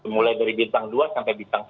mulai dari bintang dua sampai bintang tiga